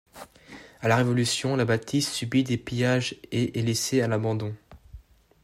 À la Révolution, la bâtisse subit des pillages et est laissée à l’abandon.